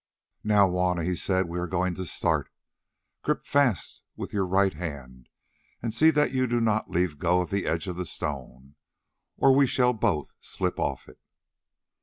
"Now, Juanna," he said, "we are going to start. Grip fast with your right hand, and see that you do not leave go of the edge of the stone, or we shall both slip off it."